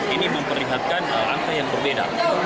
ini memperlihatkan angka yang berbeda